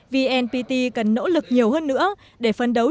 vnpt cần nỗ lực nhiều hơn nữa để phân đấu